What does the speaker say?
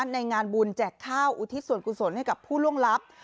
ในงานบุญแจกข้าวอุทิศส่วนกุศลให้กับผู้ล่วงลับ